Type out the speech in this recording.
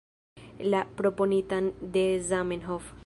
La proponitan de Zamenhof.